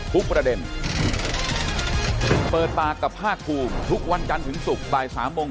ทุกประเด็นเปิดปากกับภาคภูมิทุกวันจันทร์ถึงศุกร์บ่ายสามโมง